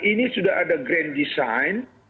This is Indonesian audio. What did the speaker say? ini sudah ada grand design